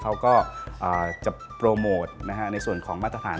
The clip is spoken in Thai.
เขาก็จะโปรโมทในส่วนของมาตรฐาน